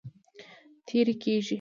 تېری کیږي.